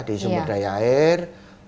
di sumber daya air